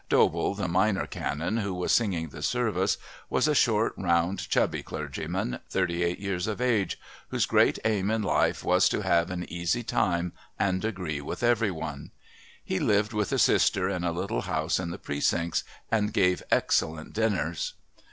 Dobell, the Minor Canon who was singing the service, was a short, round, chubby clergyman, thirty eight years of age, whose great aim in life was to have an easy time and agree with every one. He lived with a sister in a little house in the Precincts and gave excellent dinners.